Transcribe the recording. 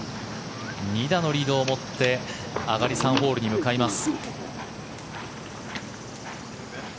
２打のリードを持って上がり３ホールに向かいます。